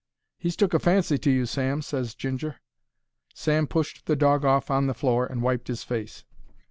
"He's took a fancy to you, Sam," ses Ginger. Sam pushed the dog off on to the floor and wiped his face.